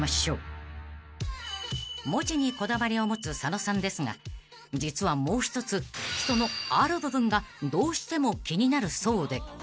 ［文字にこだわりを持つ佐野さんですが実はもう一つ人の「ある部分」がどうしても気になるそうで］